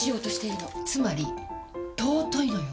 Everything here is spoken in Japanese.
つまり尊いのよ！